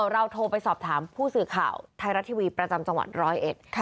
เราโทรไปสอบถามผู้สื่อข่าวไทยรัฐทีวีประจำจังหวัดร้อยเอ็ด